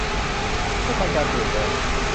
ให้ทันการเปลี่ยนแปลง